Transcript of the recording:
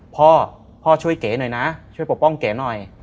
พ่อพ่อช่วยเก๋หน่อยนะช่วยปกป้องเก๋หน่อย